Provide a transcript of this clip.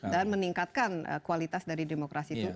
dan meningkatkan kualitas dari demokrasi itu